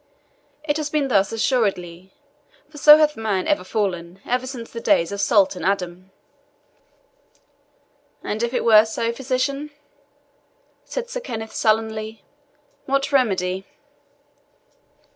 It has been thus assuredly; for so hath man ever fallen, even since the days of Sultan Adam." "And if it were so, physician," said Sir Kenneth sullenly, "what remedy?"